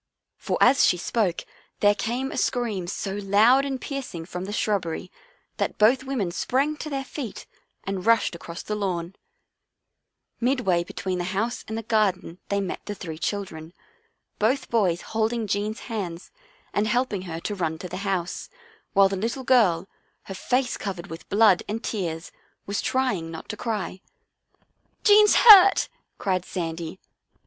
for as she spoke there came a scream so loud and piercing from the shrubbery that both women sprang to their feet and rushed across the lawn. On the Way to the " Run " 4 1 Midway between the house and the garden they met the three children, both boys holding Jean's hands and helping her to run to the house, while the little girl, her face covered with blood and tears, was trying not to cry. " Jean's hurt," cried Sandy.